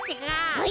はい！